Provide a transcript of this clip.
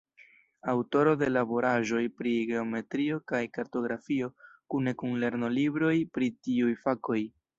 Aŭtoro de laboraĵoj pri geometrio kaj kartografio kune kun lernolibroj pri tiuj fakoj.